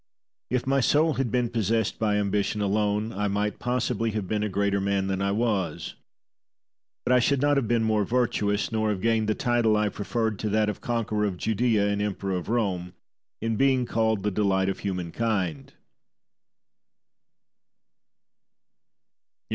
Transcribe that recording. Titus. If my soul had been possessed by ambition alone, I might possibly have been a greater man than I was; but I should not have been more virtuous, nor have gained the title I preferred to that of conqueror of Judaea and Emperor of Rome, in being called the delight of humankind.